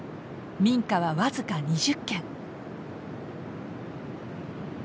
民家は僅か２０軒。